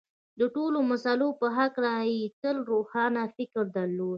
د ټولو مسألو په هکله یې تل روښانه فکر درلود